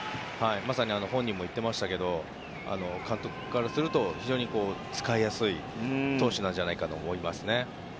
まさに本人も言ってましたが監督からすると非常に使いやすい投手だと思いますね。